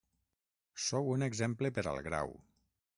Sou un exemple per al Grau.